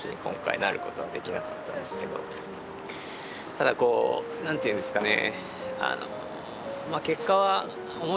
ただこう何て言うんですかね